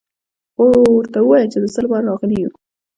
خو ورته ووايه چې د څه له پاره راغلي يو.